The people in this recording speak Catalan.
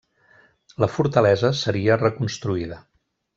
La fortalesa seria reconstruïda.